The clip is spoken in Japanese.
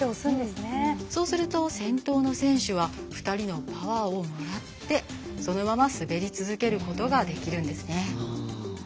そうすると先頭の選手は２人のパワーをもらってそのまま滑り続けることができるんですね。